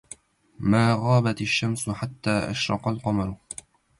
ما غابت الشمس حتى أشرق القمر